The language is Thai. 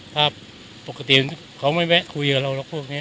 ถ้าปกติเขาไม่แวะคุยกับเราหรอกพวกนี้